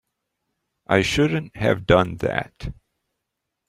I shouldn't have done that.